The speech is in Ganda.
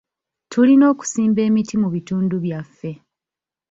Tulina okusimba emiti mu bitundu byaffe.